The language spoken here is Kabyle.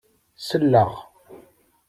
Selleɣ.